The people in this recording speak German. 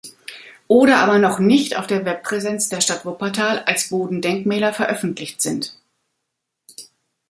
Oder aber noch nicht auf der Webpräsenz der Stadt Wuppertal als Bodendenkmäler veröffentlicht sind.